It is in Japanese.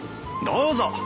どうぞ。